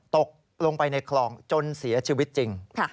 ตกลงไปในคลองจนเสียชีวิตจริง